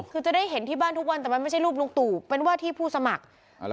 คือจะได้เห็นที่บ้านทุกวันแต่มันไม่ใช่รูปลุงตู่เป็นว่าที่ผู้สมัคร